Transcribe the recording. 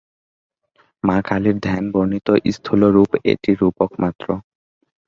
মা কালীর ধ্যান বর্ণিত স্থূল রূপ একটি রূপক মাত্র।